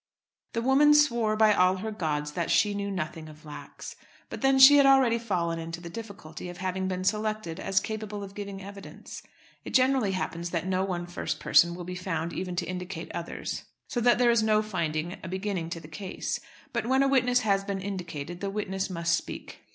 The woman swore by all her gods that she knew nothing of Lax. But then she had already fallen into the difficulty of having been selected as capable of giving evidence. It generally happens that no one first person will be found even to indicate others, so that there is no finding a beginning to the case. But when a witness has been indicated, the witness must speak.